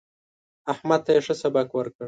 احمد ته يې ښه سبق ورکړ.